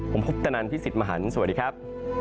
ผมพุทธนันทร์พิสิทธิ์มหันทร์สวัสดีครับ